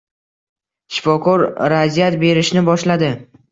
Shifokor razryad berishni boshladi